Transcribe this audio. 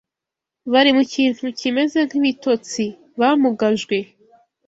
Bari mu kintu kimeze nk’ibitotsi, bamugajwe